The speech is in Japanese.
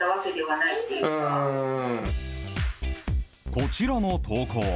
こちらの投稿。